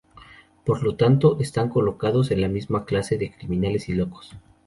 Por lo tanto, están colocados en la misma clase de criminales y locos.